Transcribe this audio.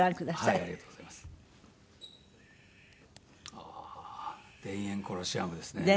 ああー田園コロシアムですね。